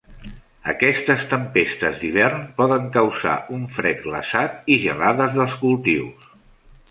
Aquestes tempestes d'hivern poden causar un fred glaçat i gelades dels cultius.